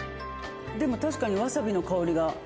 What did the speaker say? でも確かにわさびの香りが。